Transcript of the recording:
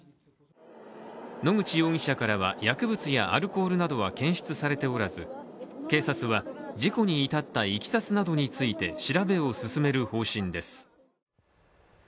野口容疑者からは、薬物やアルコールなどは検出されておらず警察は事故に至ったいきさつなどについて調べを進める方針です。